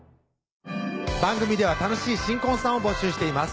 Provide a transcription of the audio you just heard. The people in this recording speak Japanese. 番組では楽しい新婚さんを募集しています